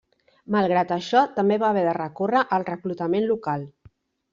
Malgrat això, també va haver de recórrer al reclutament local.